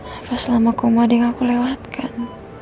apa selama komadi yang aku lewatkan